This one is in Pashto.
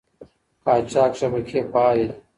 قاچاق شبکې فعالې دي.